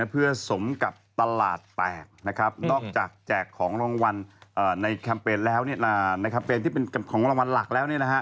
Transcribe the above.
เพื่อสมกับตลาดแตกนะครับนอกจากแจกของรางวัลในแคมเปญแล้วแคมเปญที่เป็นของรางวัลหลักแล้ว